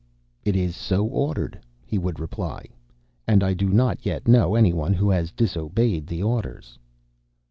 "It is so ordered," he would reply, "and I do not yet know any one who has disobeyed the orders."